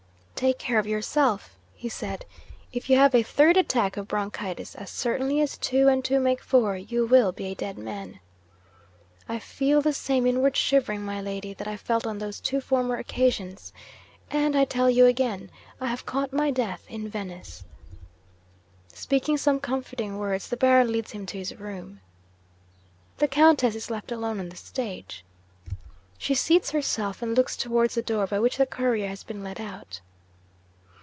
Take care of yourself," he said. "If you have a third attack of bronchitis, as certainly as two and two make four, you will be a dead man. I feel the same inward shivering, my Lady, that I felt on those two former occasions and I tell you again, I have caught my death in Venice." 'Speaking some comforting words, the Baron leads him to his room. The Countess is left alone on the stage. 'She seats herself, and looks towards the door by which the Courier has been led out.